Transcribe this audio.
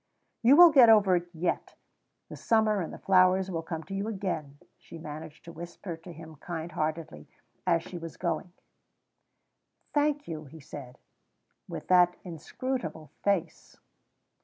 "You will get over it yet; the summer and the flowers will come to you again," she managed to whisper to him kind heartedly, as she was going. "Thank you," he said, with that inscrutable face.